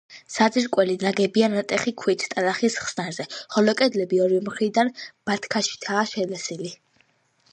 საძირკველი ნაგებია ნატეხი ქვით ტალახის ხსნარზე, ხოლო კედლები ორივე მხრიდან ბათქაშითაა შელესილი.